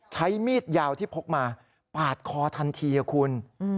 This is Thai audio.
ใช้มีดยาวที่พกมาปาดคอทันทีคุณ